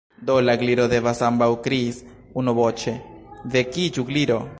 "Do, la Gliro devas," ambaŭ kriis unuvoĉe. "Vekiĝu, Gliro!"